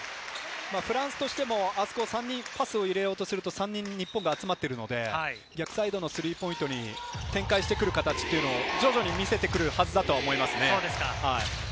フランスとしても、あそこに３人パス入れようとしても、日本が３人集まっているので、逆サイドのスリーポイントに展開してくる形を徐々に見せてくるはずだと思いますね。